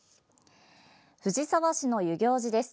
藤沢市の遊行寺です。